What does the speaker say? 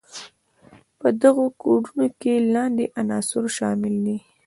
په دغو کودونو کې لاندې عناصر شامل دي.